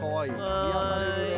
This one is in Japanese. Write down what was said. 癒やされるね。